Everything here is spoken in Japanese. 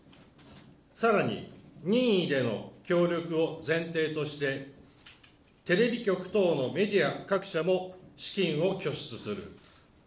さらに任意での協力を前提として、テレビ局等のメディア各社も資金を拠出する。